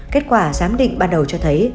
kết quả giám định ban đầu cho thấy